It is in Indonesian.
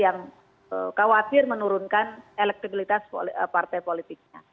yang khawatir menurunkan elektabilitas partai politiknya